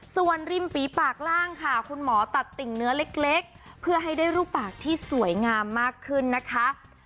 ส่วนริมฝีปากล่างค่ะคุณหมอตัดติ่งเนื้อเล็กเพื่อให้ได้รูปปากที่สวยงามมากขึ้นนะคะ